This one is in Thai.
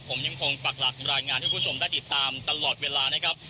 ผมยังคงปักหลักรายงานให้คุณผู้ชมได้ติดตามตลอดเวลานะครับ